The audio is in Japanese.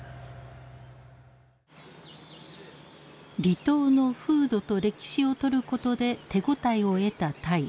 離島の風土と歴史を撮ることで手応えを得た平良。